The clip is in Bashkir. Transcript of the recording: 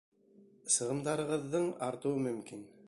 Сығымдарығыҙҙың артыуы мөмкин.